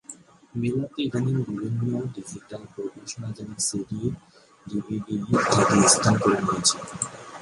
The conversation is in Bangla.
মেলাতে ইদানীং বিভিন্ন ডিজিটাল প্রকাশনা যেমন সিডি, ডিভিডি ইত্যাদিও স্থান করে নিয়েছে।